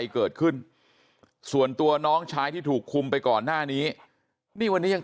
เกิดขึ้นส่วนตัวน้องชายที่ถูกคุมไปก่อนหน้านี้นี่วันนี้ยัง